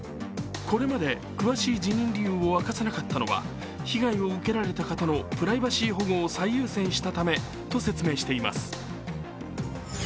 これまで詳しい辞任理由を明かさなかったのは被害を受けられた方のプライバシー保護を最優先したためと説明しています。